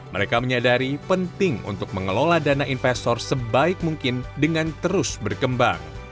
mereka menyadari penting untuk mengelola dana investor sebaik mungkin dengan terus berkembang